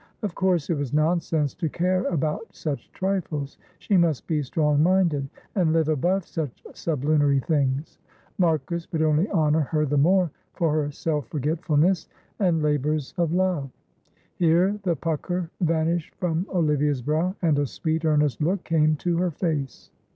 Of course, it was nonsense to care about such trifles, she must be strong minded and live above such sublunary things. Marcus would only honour her the more for her self forgetfulness and labours of love. Here the pucker vanished from Olivia's brow, and a sweet, earnest look came to her face.